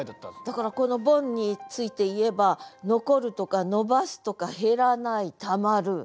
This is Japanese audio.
だからこのボンについて言えば「残る」とか「延ばす」とか「減らない」「たまる」。